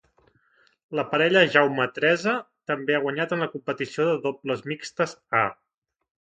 La parella Jaume-Teresa també ha guanyat en la competició de dobles mixtes A.